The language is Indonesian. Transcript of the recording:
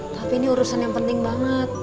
tapi ini urusan yang penting banget